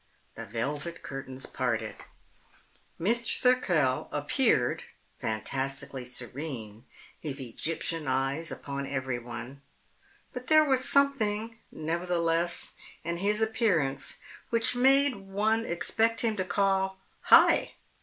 The velvet curtains parted. Mr. Thirkell appeared, fantastically serene, his Egyptian eyes upon everyone. But there was something, nevertheless, in his appearance which made one expect him to call "Hi!"